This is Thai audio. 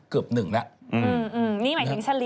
นี่หมายถึงเสลี่ย